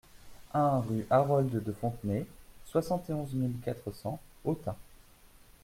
un rue Harold de Fontenay, soixante et onze mille quatre cents Autun